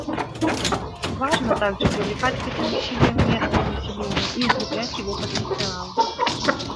Важно также привлекать к этим усилиям местное население и укреплять его потенциал.